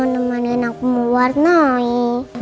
nemenin aku mau warnanya